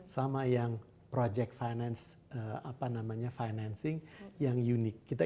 sama yang project finance apa namanya financing yang unik